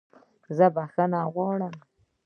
زه بخښنه غواړم